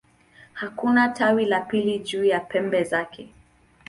Hakuna tawi la pili juu ya pembe zake.